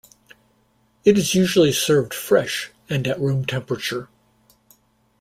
It is usually served fresh and at room temperature.